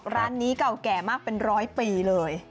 ร้านนี้เก่าแก่มากเป็นร้อยปีเลย